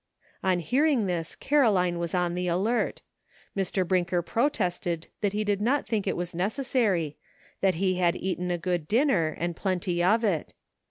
On hearing this Caroline was on the alert. Mr. Brinker protested that he did not think it was necessary, that he had eaten a good dinner, and plenty of it.